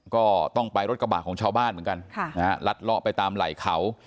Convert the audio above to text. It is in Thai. ก็ต้องไปรถกระบะของชาวบ้านเหมือนกันลัดเลาะไปตามไหล่เขา